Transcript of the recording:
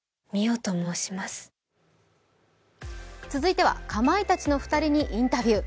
続いては、かまいたちの２人にインタビュー。